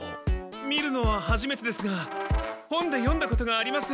見るのははじめてですが本で読んだことがあります。